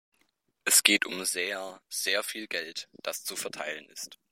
Es geht um sehr, sehr viel Geld, das zu verteilen ist.